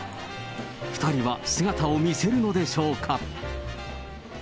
２人は姿を見せるのでしょうか。